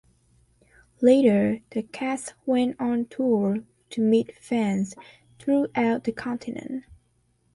Later the cast went on tour to meet fans throughout the continent.